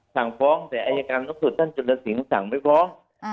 สั่งฟ้องแต่อายการก็คือท่านจุดละสีก็สั่งไม่ฟ้องอ่า